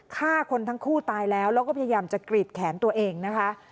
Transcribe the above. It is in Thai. ฆ่าคนทั้งคู่ตายแล้วแล้วก็พยายามจะกรีดแขนตัวเองนะคะ